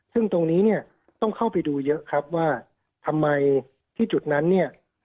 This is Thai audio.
ซึ่งตรงนี้เนี่ยต้องเข้าไปดูเยอะครับว่าทำไมที่จุดนั้นเนี่ย